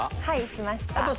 はいしました。